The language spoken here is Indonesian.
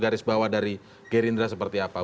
garis bawah dari gerindra seperti apa